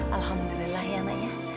alhamdulillah ya anaknya